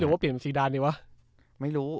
หรือเปลี่ยนซีดานดีวะ